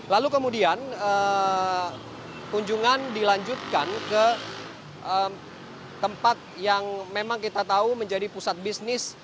lalu kemudian kunjungan dilanjutkan ke tempat yang memang kita tahu menjadi pusat bisnis